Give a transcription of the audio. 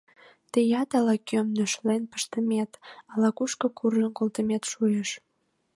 Тыят ала-кӧм нӧшлен пыштымет, ала-кушко куржын колтымет шуэш.